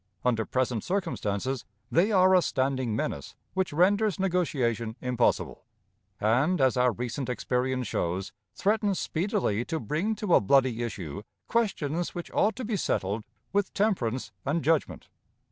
Under present circumstances, they are a standing menace which renders negotiation impossible, and, as our recent experience shows, threatens speedily to bring to a bloody issue questions which ought to be settled with temperance and judgment.